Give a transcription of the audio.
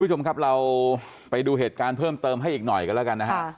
คุณผู้ชมครับเราไปดูเหตุการณ์เพิ่มเติมให้อีกหน่อยกันแล้วกันนะฮะ